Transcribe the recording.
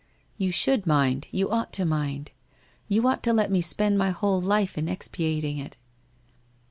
' You should mind, you ought to mind. You ought to let me spend my whole life in expiating it.'